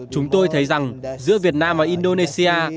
chúng tôi thấy rằng giữa việt nam và indonesia